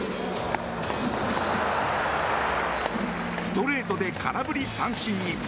ストレートで空振り三振に。